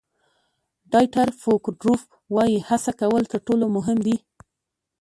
ډایټر فوکودروف وایي هڅه کول تر ټولو مهم دي.